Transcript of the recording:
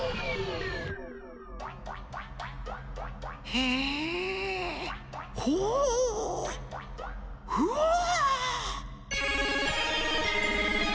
へえほうふわあ。